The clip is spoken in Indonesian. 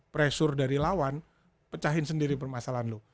pressure dari lawan pecahin sendiri permasalahan lo